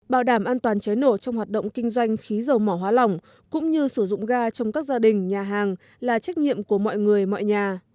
bảo đảm an toàn cháy nổ trong hoạt động kinh doanh khí dầu mỏ hóa lỏng cũng như sử dụng ga trong các gia đình nhà hàng là trách nhiệm của mọi người mọi nhà